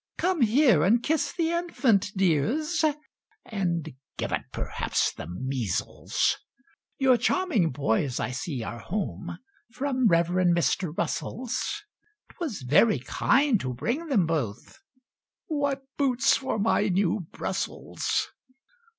Come here and kiss the infant, dears (And give it p'rhaps the measles!) "Your charming boys I see are home From Reverend Mr. Russell's; 'Twas very kind to bring them both (What boots for my new Brussels!)